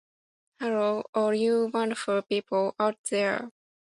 Hello all you wonderful people out there!